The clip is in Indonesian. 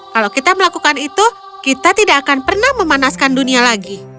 kalau kita melakukan itu kita tidak akan pernah memanaskan dunia lagi